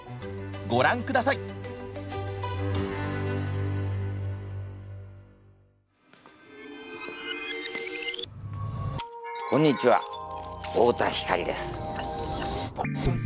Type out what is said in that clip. ご覧下さいこんにちは太田光です。